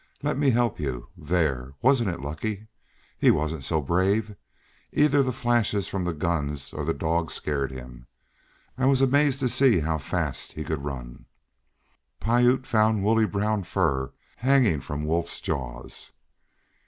"Let me help you there! Wasn't it lucky? He wasn't so brave. Either the flashes from the guns or the dog scared him. I was amazed to see how fast he could run." Piute found woolly brown fur hanging from Wolf's jaws.